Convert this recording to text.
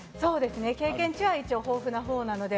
経験値は一応豊富なほうなので。